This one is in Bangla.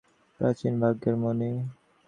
প্রাচীন ভাগ্যের মণি।